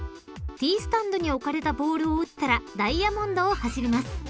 ［ティースタンドに置かれたボールを打ったらダイヤモンドを走ります］